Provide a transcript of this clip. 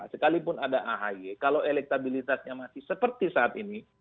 sekalipun ada ahy kalau elektabilitasnya masih seperti saat ini